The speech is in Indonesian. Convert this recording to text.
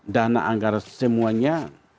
dana anggaran semuanya